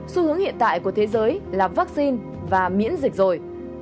xu hướng hiện tại của thế giới là vaccine và miễn dịch rồi